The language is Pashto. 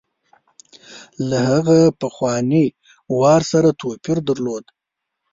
له هغه پخواني وار سره توپیر درلود.